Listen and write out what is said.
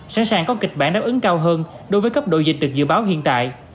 sẵn sàng có kịch bản đáp ứng cao hơn đối với cấp độ dịch được dự báo hiện tại